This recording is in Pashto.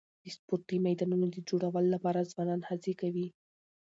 د سپورټي میدانونو د جوړولو لپاره ځوانان هڅي کوي.